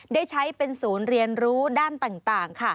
ได้ใช้เป็นศูนย์เรียนรู้ด้านต่าง